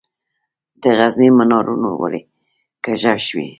د غزني منارونه ولې کږه شوي؟